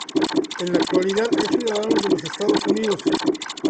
En la actualidad es ciudadano de los Estados Unidos.